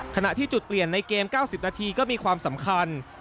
ขณะที่จุดเปลี่ยนในเกม๙๐นาทีก็มีความสำคัญ